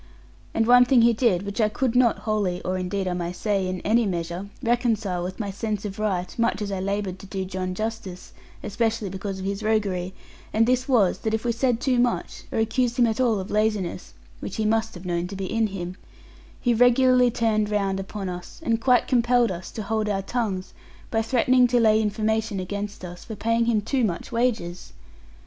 And one thing he did which I could not wholly (or indeed I may say, in any measure) reconcile with my sense of right, much as I laboured to do John justice, especially because of his roguery; and this was, that if we said too much, or accused him at all of laziness (which he must have known to be in him), he regularly turned round upon us, and quite compelled us to hold our tongues, by threatening to lay information against us for paying him too much wages!